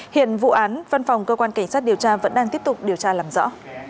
hiện vụ án văn phòng cơ quan cảnh sát điều tra vẫn đang tiếp tục điều tra làm rõ